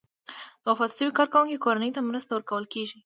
د وفات شوي کارکوونکي کورنۍ ته مرسته ورکول کیږي.